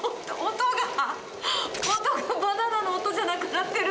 音がバナナの音じゃなくなってる。